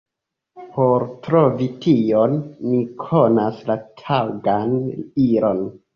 Por trovi tion, ni konas la taŭgan ilon: